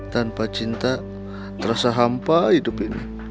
tanpa cinta terasa hampa hidup ini